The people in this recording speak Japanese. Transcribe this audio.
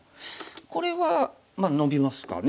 これはノビますかね